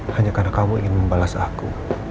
hanya karena kamu ingin membalas aku